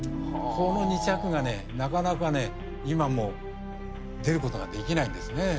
この２着がねなかなかね今も出ることができないんですね。